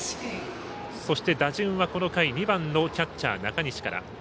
そして、打順はこの回、２番のキャッチャー中西から。